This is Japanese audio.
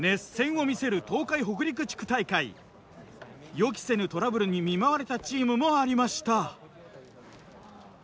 予期せぬトラブルに見舞われたチームもありました。